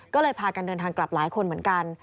ก็เลยพากันเดินทางกลับหลายคนเหมือนกัน